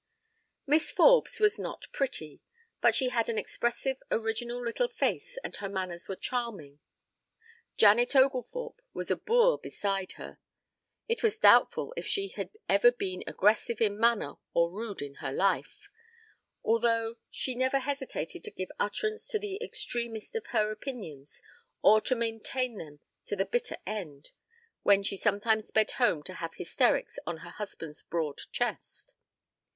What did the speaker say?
Miss Forbes was not pretty, but she had an expressive original little face and her manners were charming. Janet Oglethorpe was a boor beside her. It was doubtful if she had ever been aggressive in manner or rude in her life; although she never hesitated to give utterance to the extremest of her opinions or to maintain them to the bitter end (when she sometimes sped home to have hysterics on her husband's broad chest).